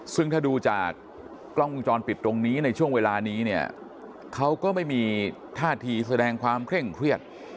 ซึ่งถ้าดูจากกล้องวงจรปิดตรงนี้ในช่วงเวลานี้เนี่ยเขาก็ไม่มีท่าทีแสดงความเคร่งเครียด